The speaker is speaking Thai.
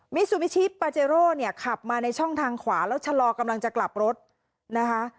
ซูมิชิปาเจโร่เนี่ยขับมาในช่องทางขวาแล้วชะลอกำลังจะกลับรถนะคะ